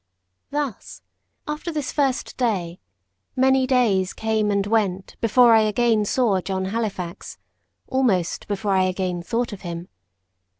Thus, after this first day, many days came and went before I again saw John Halifax almost before I again thought of him.